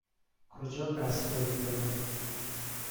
کجا قصد دارید بمانید؟